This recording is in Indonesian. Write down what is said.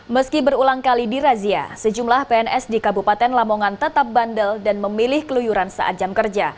meski berulang kali dirazia sejumlah pns di kabupaten lamongan tetap bandel dan memilih keluyuran saat jam kerja